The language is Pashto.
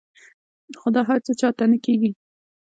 خو دا هر چاته نۀ کيږي -